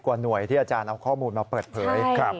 กว่าหน่วยที่อาจารย์เอาข้อมูลมาเปิดเผย